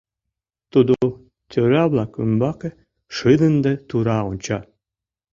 Тудо тӧра-влак ӱмбаке шыдын да тура онча.